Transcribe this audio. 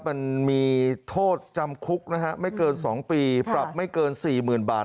มันมีโทษจำคุกนะฮะไม่เกิน๒ปีปรับไม่เกิน๔๐๐๐บาท